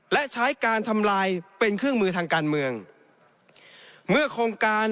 และใช้การทำลายเป็นเครื่องมือทางการเมือง